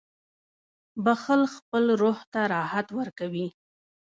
• بخښل خپل روح ته راحت ورکوي.